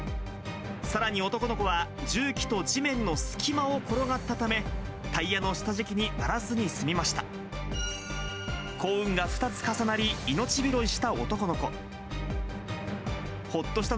さらに男の子は重機と地面の隙間を転がったため、タイヤの下敷きにならずに済みました。